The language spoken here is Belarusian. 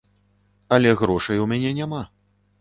Але грошай у мяне няма.